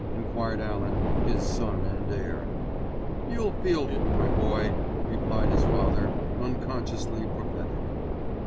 enquired Allan, his son and heir. "You'll feel it, my boy," replied his father, unconsciously prophetic.